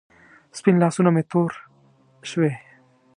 سپین لاسونه مې تور شوې